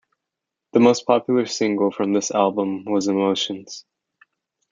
The most popular single from this album was "Emotions".